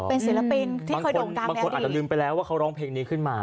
เป็นศิลปินที่เคยด่งดังบางคนอาจจะลืมไปแล้วว่าเขาร้องเพลงนี้ขึ้นมา